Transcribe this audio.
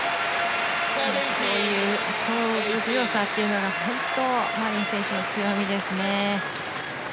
こういう勝負強さが本当、マリン選手の強みですね。